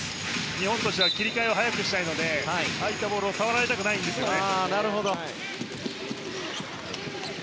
日本は切り替えを早くしたいのでああいったボールを触られたくないですね。